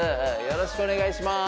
よろしくお願いします。